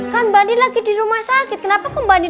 kan mbak andi lagi di rumah sakit kenapa kok mbak andi